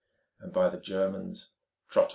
and by the Germans "Trotyl."